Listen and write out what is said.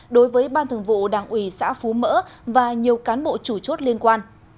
đối với ban thường vụ đảng ủy xã phú mỡ và nhiều cán bộ chủ chốt liên quan